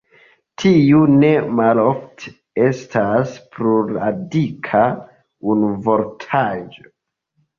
Tiu ne malofte estas plurradika unuvortaĵo.